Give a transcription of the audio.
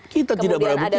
kita tidak berasa dirugikan